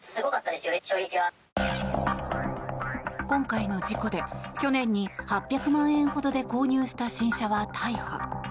今回の事故で去年に８００万円ほどで購入した新車は大破。